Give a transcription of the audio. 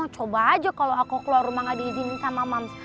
coba aja kalau aku keluar rumah gak diizinin sama mams